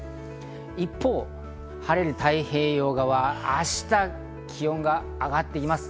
一方、晴れる太平洋側は明日、気温が上がってきます。